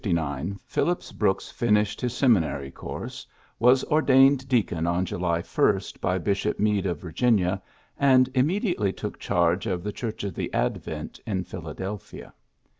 In 1859 Phillips Brooks finished his seminary course, was ordained deacon on July 1 by Bishop Meade of Virginia, and immediately took charge of the Church of the Advent in Philadelphia.